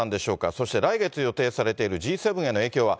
そして来月予定されているＧ７への影響は。